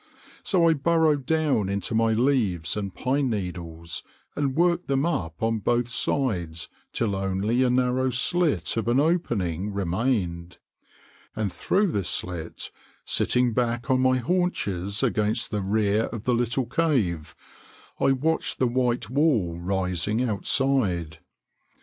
So I burrowed down into my leaves and pine needles, and worked them up on both sides till only a narrow slit of an opening remained, and through this slit, sitting back on my haunches against the rear of the little cave, I watched the white wall rising outside.